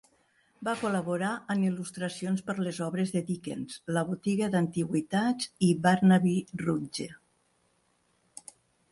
Va col·laborar en il·lustracions per a les obres Dickens "La botiga d'antiguitats" i "Barnaby Rudge".